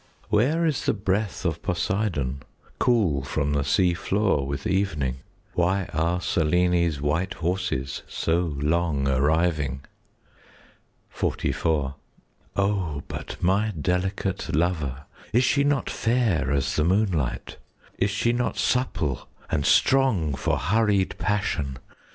Where is the breath of Poseidon, Cool from the sea floor with evening? 10 Why are Selene's white horses So long arriving? XLIV O but my delicate lover, Is she not fair as the moonlight? Is she not supple and strong For hurried passion?